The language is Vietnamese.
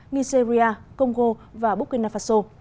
nigeria congo và burkina faso